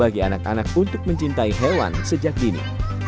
bagi anak anak untuk mencintai hewan sejak dini